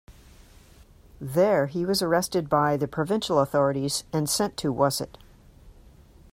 There he was arrested by the provincial authorities and sent to Wasit.